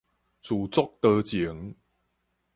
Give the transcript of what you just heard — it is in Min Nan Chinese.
自作多情